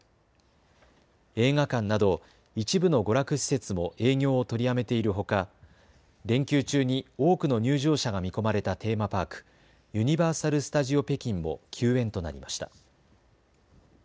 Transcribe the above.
映画館など一部の娯楽施設も営業を取りやめているほか連休中に多くの入場者が見込まれたテーマパーク、ユニバーサル・スタジオ・北京も休園となりました。